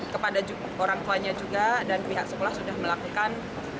kepada orang tuanya juga dan pihak sekolah sudah melakukan